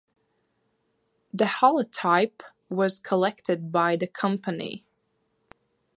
The holotype was collected by the company.